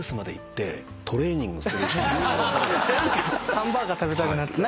ハンバーガー食べたくなっちゃう。